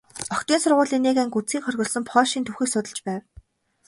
Охидын сургуулийн нэг анги үзэхийг хориглосон польшийн түүхийг судалж байв.